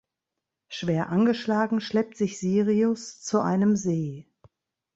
Schwer angeschlagen schleppt sich Sirius zu einem See.